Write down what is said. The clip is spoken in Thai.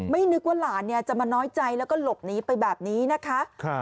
นึกว่าหลานจะมาน้อยใจแล้วก็หลบหนีไปแบบนี้นะคะ